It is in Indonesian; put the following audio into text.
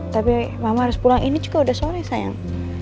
tapi mama harus pulang ini juga udah sore sayang